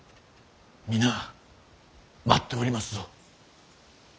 皆待っておりますぞ。